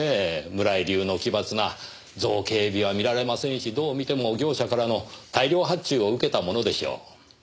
村井流の奇抜な造形美は見られませんしどう見ても業者からの大量発注を受けたものでしょう。